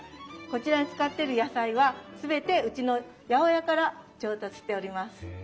こちらに使ってる野菜は全てうちの八百屋から調達しております。